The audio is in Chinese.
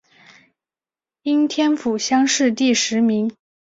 应天府乡试第十名。